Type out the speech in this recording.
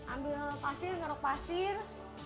ambil pasir ngerok pasir